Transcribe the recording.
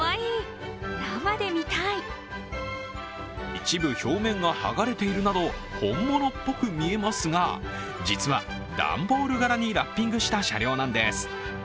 一部、表面が剥がれているなど本物っぽく見えますが実は段ボール柄にラッピングした車両なんです。